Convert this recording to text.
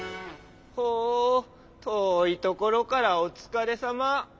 ほうとおいところからおつかれサマ。